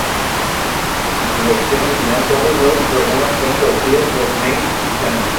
En su versión original, todos los programas fueron conducidos por Neil Buchanan.